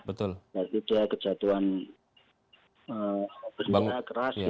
berarti dia kejatuhan berlita keras gitu ya